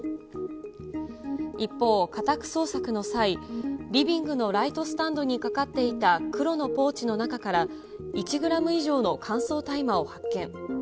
一方、家宅捜索の際、リビングのライトスタンドにかかっていた黒のポーチの中から、１グラム以上の乾燥大麻を発見。